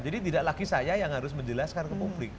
jadi tidak lagi saya yang harus menjelaskan ke publik